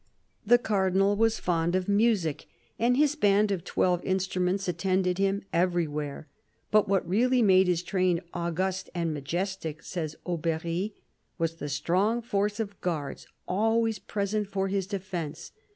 The Cardinal was fond of music, and his band of twelve instruments attended him everywhere. But what really made his train " august and majestic," says Aubery, was the strong force of guards always present for his defence.